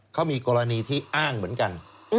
เขามีกรณีที่อ้างเหมือนกัน